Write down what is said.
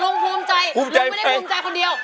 ลุงไม่ได้ภูมิใจคนเดียว